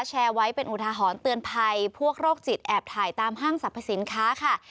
แชร์ไว้เป็นอุทหรณ์เตือนภัยพวกโรคจิตแอบถ่ายตามห้างสรรพสินค้าค่ะ